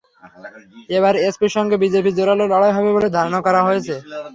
এবার এসপির সঙ্গে বিজেপির জোরালো লড়াই হবে বলে ধারণা করা হচ্ছে।